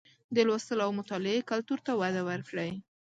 د لوستلو او مطالعې کلتور ته وده ورکړئ